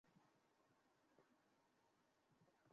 ঢোকাচ্ছি তোমার কফিনে।